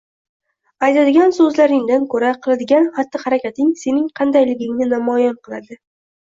Aytadigan so‘zlaringdan ko‘ra qiladigan xatti-harakating sening qandayligingni namoyon qiladi.